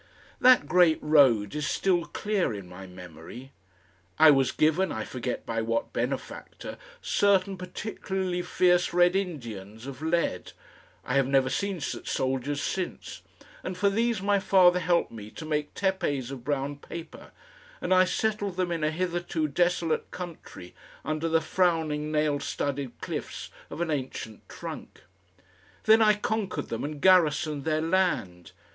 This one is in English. That great road is still clear in my memory. I was given, I forget by what benefactor, certain particularly fierce red Indians of lead I have never seen such soldiers since and for these my father helped me to make tepees of brown paper, and I settled them in a hitherto desolate country under the frowning nail studded cliffs of an ancient trunk. Then I conquered them and garrisoned their land.